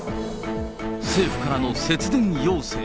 政府からの節電要請。